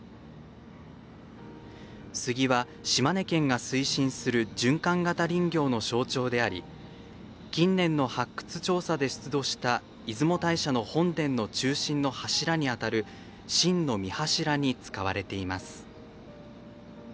スギは、島根県が推進する循環型林業の象徴であり近年の発掘調査で出土した出雲大社の本殿の中心の柱にあたる心御柱に使われています。